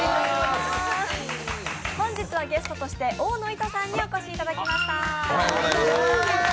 本日は、ゲストとして大野いとさんにお越しいただきました。